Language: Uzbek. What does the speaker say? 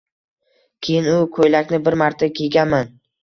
Keyin, u koʻylakni bir marta kiyganman